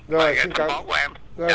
về thành phố của em